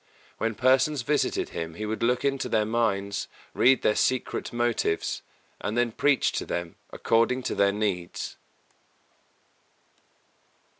When persons visited him he would look into their minds, read their secret motives, and then preach to them according to their needs.